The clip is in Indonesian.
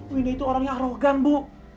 winda itu orangnya arogan bu